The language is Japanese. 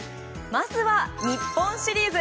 まずは日本シリーズ。